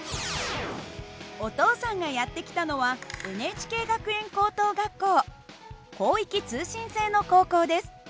お父さんがやって来たのは広域通信制の高校です。